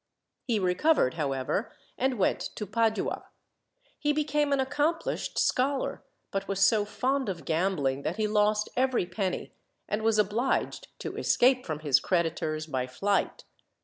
He recovered, however, and went to Padua. He became an accomplished scholar; but was so fond of gambling that he lost every penny, and was obliged to escape from his creditors by flight.